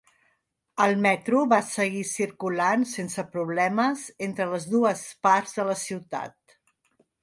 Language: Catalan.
El metro va seguir circulant sense problemes entre les dues parts de la ciutat.